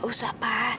gak usah pak